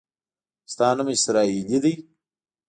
ستا نوم اسراییلي دی.